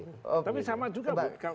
tapi sama juga bu